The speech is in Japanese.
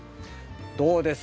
どうです？